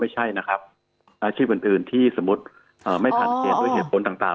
ไม่ใช่นะครับอาชีพอื่นที่สมมุติไม่ผ่านเกณฑ์ด้วยเหตุผลต่าง